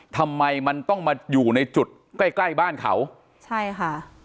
ทำไมมันต้องมาอยู่ในจุดใกล้ใกล้บ้านเขาใช่ค่ะ